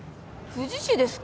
富士市ですか？